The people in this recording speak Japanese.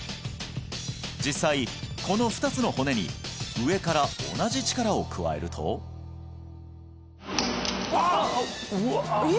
実際この２つの骨に上から同じ力を加えるとああ！